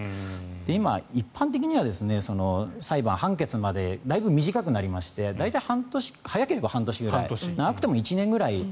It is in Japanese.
今、一般的には裁判判決までだいぶ短くなりまして大体早ければ半年ぐらい長くても１年ぐらい。